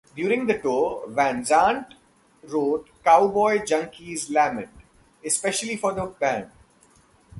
During the tour, Van Zandt wrote "Cowboy Junkies Lament" especially for the band.